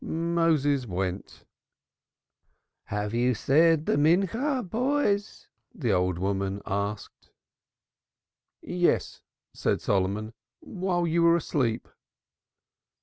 Moses went. "Have you said the afternoon prayer, boys?" the old woman asked. "Yes," said Solomon. "While you were asleep."